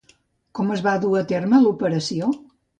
Com es va dur a terme l'operació?